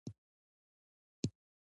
الف : الهی قوانین او قواعد